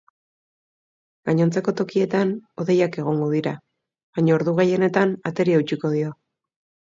Gainontzeko tokietan hodeiak egongo dira, baina ordu gehienetan ateri eutsiko dio.